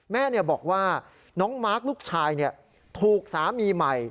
แม่บอกว่าน้องมาร์คลูกชายถูกสามีใหม่